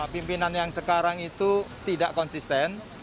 pimpinan yang sekarang itu tidak konsisten